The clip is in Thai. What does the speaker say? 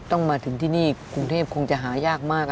ต้องมาถึงที่นี่กรุงเทพคงจะหายากมาก